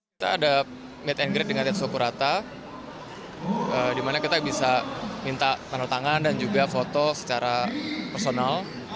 kita ada meet and grade dengan tetsukurata di mana kita bisa minta tanda tangan dan juga foto secara personal